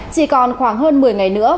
chỉ còn khoảng hơn một mươi ngày nữa